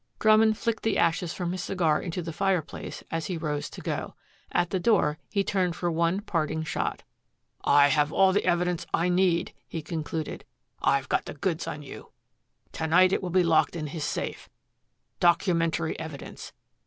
Drummond flicked the ashes from his cigar into the fireplace as he rose to go. At the door he turned for one parting shot. "I have all the evidence I need," he concluded. "I've got the goods on you. To night it will be locked in his safe documentary evidence.